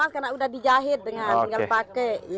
karena udah dijahit dengan pakai